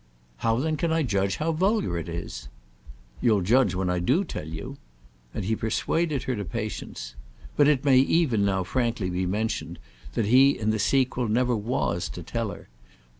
"How then can I judge how vulgar it is?" "You'll judge when I do tell you"—and he persuaded her to patience. But it may even now frankly be mentioned that he in the sequel never was to tell her.